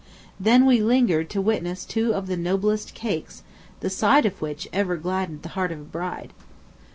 Then we lingered to witness two of the noblest cakes, the sight of which ever gladdened the heart of a bride.